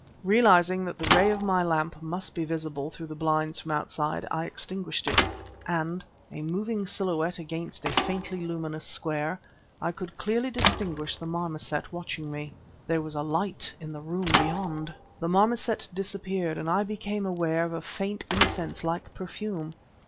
Realizing that the ray of my lamp must be visible through the blinds from outside, I extinguished it ... and, a moving silhouette against a faintly luminous square, I could clearly distinguish the marmoset watching me. There was a light in the room beyond! The marmoset disappeared and I became aware of a faint, incense like perfume.